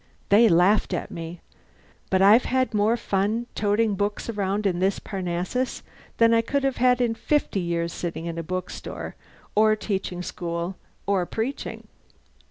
They laughed at me. But I've had more fun toting books around in this Parnassus than I could have had in fifty years sitting in a bookstore, or teaching school, or preaching.